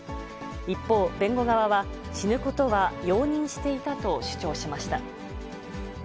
一方、弁護側は、死ぬことは容認していたと主張しました。